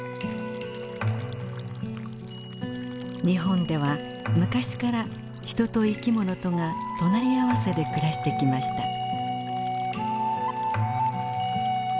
日本では昔から人と生きものとが隣り合わせで暮らしてきました。